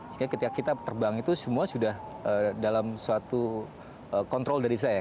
sehingga ketika kita terbang itu semua sudah dalam suatu kontrol dari saya